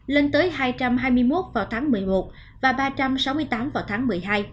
lên tới hai trăm hai mươi một vào tháng một mươi một và ba trăm sáu mươi tám vào tháng một mươi hai